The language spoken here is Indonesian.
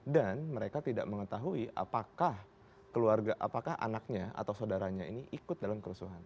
dan mereka tidak mengetahui apakah keluarga apakah anaknya atau saudaranya ini ikut dalam kerusuhan